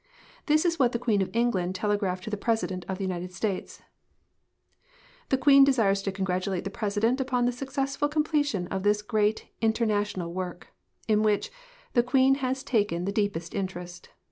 This is what the Queen of England telegraplied to the President of the United States : "The Queen desires to congratulate the President upon the successful completion of this great international work, in which the Queen has taken the deepest interest.